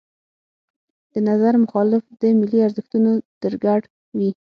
د نظر مخالف د ملي ارزښتونو درګډ وي.